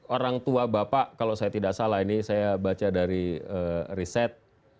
orang tua bapak kalau saya tidak salah ini saya baca dari riset